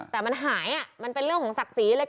แต่มันหายมันเป็นเรื่องของศักดิ์ศรีเลย